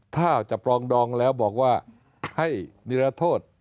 ถ้าจะปรองดองแล้วบอกว่าให้นิรโทษ